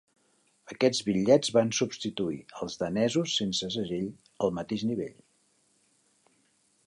Aquests bitllets van substituir als danesos sense segell al mateix nivell.